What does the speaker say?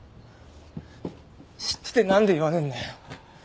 知ってて何で言わねえんだよ。